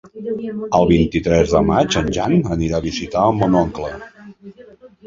El vint-i-tres de maig en Jan irà a visitar mon oncle.